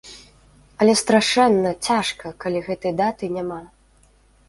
Але страшэнна, цяжка, калі гэтай даты няма.